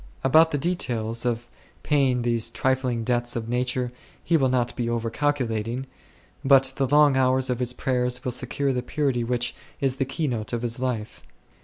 About the details of paying these trifling debts of nature he will not be over calculating, but the long hours of his prayers7 will secure the purity which is the key note of his life.